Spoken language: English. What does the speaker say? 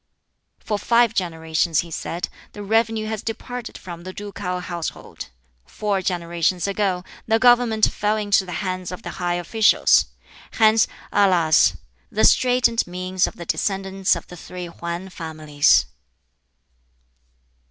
"For five generations," he said, "the revenue has departed from the ducal household. Four generations ago the government fell into the hands of the high officials. Hence, alas! the straitened means of the descendants of the three Hwan families."